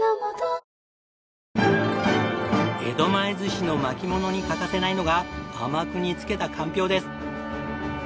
江戸前寿司の巻物に欠かせないのが甘く煮付けたかんぴょうです。